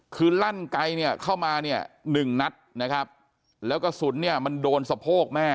คือลั่นไกเข้ามาเนี่ย๑นัดนะครับแล้วก็สุดเนี่ยมันโดนสะโพกแม่